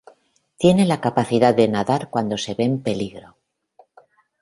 Tienen la capacidad de nadar cuando se ven en peligro.